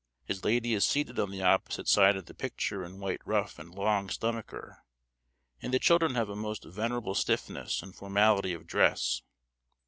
His lady is seated on the opposite side of the picture in wide ruff and long stomacher, and the children have a most venerable stiffness and formality of dress.